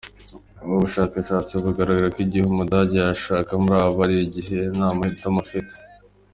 Ubu bushakashatsi bugaragaza ko igihe umudage yashaka muri aba ari igihe nta mahitamo afite.